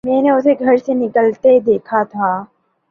میں نے اسے گھر سے نکلتے دیکھا تھا